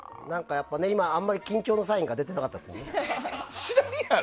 やっぱり今、あんまり緊張のサインが出てなかった。